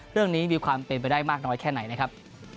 มีความเป็นไปได้มากน้อยแค่ไหนนะครับ